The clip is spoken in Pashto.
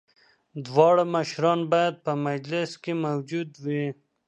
دواړه مشران باید په مجلس کي موجود وي.